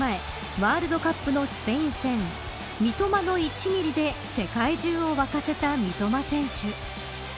ワールドカップのスペイン戦三笘の１ミリで世界中を沸かせた三笘選手。